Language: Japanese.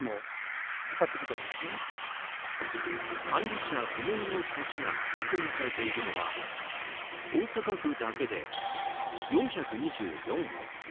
管理者不明の橋が確認されているのは大阪府だけで４２４本。